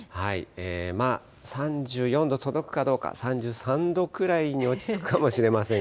まあ３４度届くかどうか、３３度くらいに落ち着くかもしれません。